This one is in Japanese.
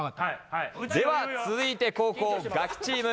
続いて後攻ガキチーム。